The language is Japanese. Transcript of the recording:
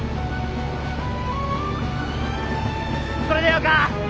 それでよか！